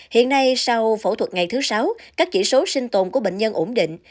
hiện nay sau phẫu thuật ngày thứ sáu các chỉ số sinh tồn của bệnh nhân ổn định